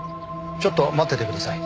ちょっと待っててください。